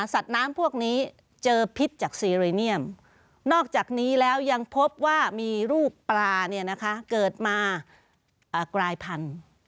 สัตว์น้ำพวกนี้เจอพิษจากซีเรเนียมนอกจากนี้แล้วยังพบว่ามีรูปปลาเนี่ยนะคะเกิดมากลายพันธุ์